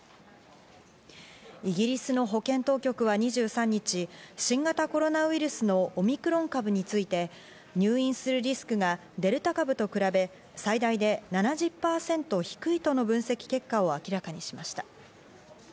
イギリスの保健当局は２３日、新型コロナウイルスのオミクロン株について、入院するリスクがデルタ株と比べ、最大で７０％低いとの分析結果を明らかにしました。